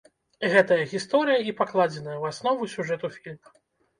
Гэта гісторыя і пакладзеная ў аснову сюжэту фільма.